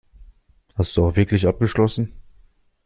Hast du auch wirklich abgeschlossen?